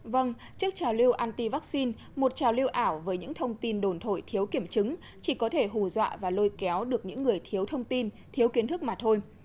vâng chiếc trào lưu anti vắc xin một trào lưu ảo với những thông tin đồn thổi thiếu kiểm chứng chỉ có thể hù dọa và lôi kéo được những người thiếu thông tin thiếu kiến thức mà thôi